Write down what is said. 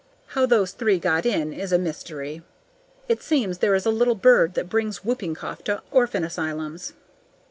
How those three got in is a mystery. It seems there is a little bird that brings whooping cough to orphan asylums.